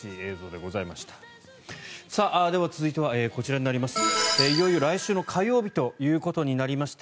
では、続いてはこちらになります。